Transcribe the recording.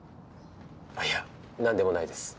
いや何でもないです。